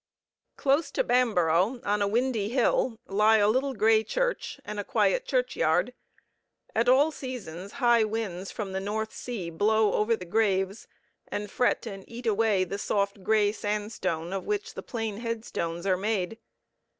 Close to Bamborough, on a windy hill, lie a little gray church and a quiet churchyard. At all seasons high winds from the North Sea blow over the graves and fret and eat away the soft gray sandstone of which the plain headstones are made.